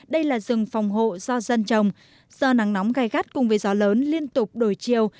đây là rừng phòng hộ do dân trồng do nắng nóng gai gắt cùng với gió lớn liên tục đổi chiều